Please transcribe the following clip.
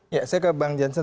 ya saya ke bang jansen